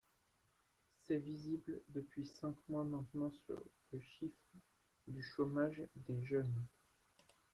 C’est visible depuis cinq mois maintenant sur le chiffre du chômage des jeunes.